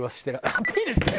「アピールしてる」。